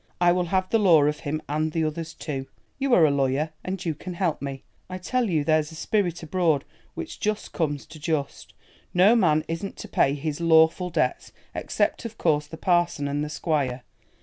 "I will have the law of him and the others too. You are a lawyer and you can help me. I tell you there's a spirit abroad which just comes to this—no man isn't to pay his lawful debts, except of course the parson and the squire.